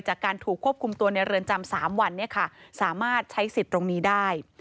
จากการถูกควบคุมตัวในเรือนจำ๓วันสามารถใช้สิทธิ์ตรงนี้ได้